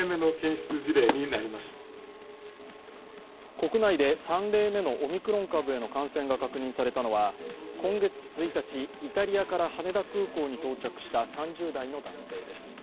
国内で３例目のオミクロン株への感染が確認されたのは今月１日、イタリアから羽田空港に到着した３０代の男性です。